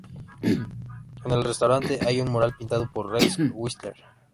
En el restaurante hay un mural pintado por Rex Whistler.